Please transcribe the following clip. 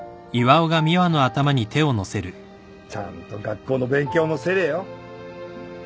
ちゃんと学校の勉強もせれよ。